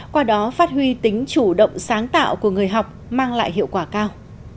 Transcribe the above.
qua đó phát huy tính chủ động sáng tạo của người học mang lại hiệu quả cao